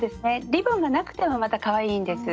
リボンがなくてもまたかわいいんです。